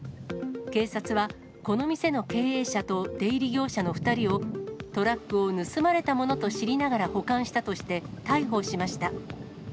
警察は、この店の経営者と出入り業者の２人を、トラックを盗まれたものと知りながら保管したとして、逮捕しました。